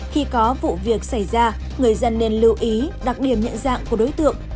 khi có vụ việc xảy ra người dân nên lưu ý đặc điểm nhận dạng của đối tượng